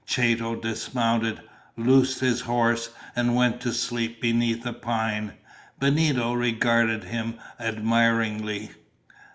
Chato dismounted, loosed his horse, and went to sleep beneath a pine. Benito regarded him admiringly.